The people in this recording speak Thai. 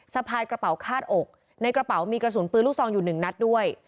สะพายกระเป๋าคาดอกในกระเป๋ามีกระสุนปืนลูกซองอยู่หนึ่งนัดด้วย